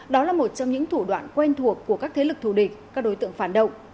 đó là một trong những thủ đoạn quen thuộc của các thế lực thù địch các đối tượng phản động